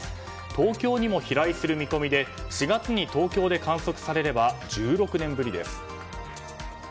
東京にも飛来する見込みで４月に東京で観測されれば１６年ぶりです。